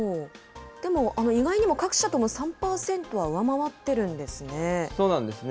でも意外にも各社とも３％は上回ってるんですね。